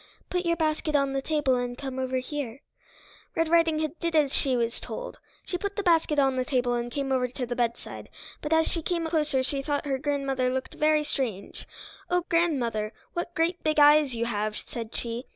"Put your basket on the table and come over here." Red Riding Hood did as she was told. She put the basket on the table and came over to the bedside, but as she came closer she thought her grandmother looked very strange. "Oh, grandmother, what great big eyes you have," said she.